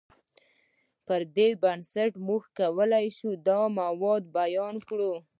پر دې بنسټ موږ کولی شو دا موارد بیان کړو.